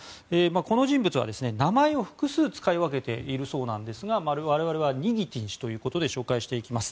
この人物は名前を複数使い分けているそうですが我々はニギティン氏ということで紹介していきます。